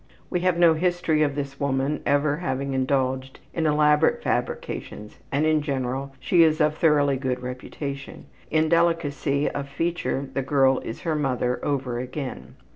We have no history of this woman ever having indulged in elaborate fabrications and, in general, she is of thoroughly good reputation. In delicacy of feature the girl is her mother over again.